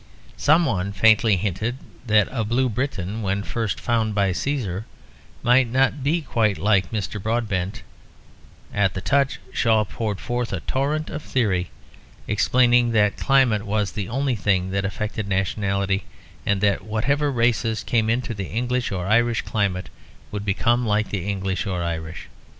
Someone faintly hinted that a blue Briton when first found by Cæsar might not be quite like Mr. Broadbent; at the touch Shaw poured forth a torrent of theory, explaining that climate was the only thing that affected nationality; and that whatever races came into the English or Irish climate would become like the English or Irish.